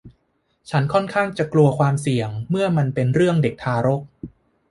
ฉันค่อนข้างจะกลัวความเสี่ยงเมื่อมันเป็นเรื่องเด็กทารก